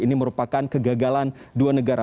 ini merupakan kegagalan dua negara